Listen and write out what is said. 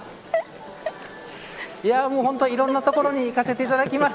本当にいろんな所に行かせていただきました。